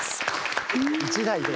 １台で。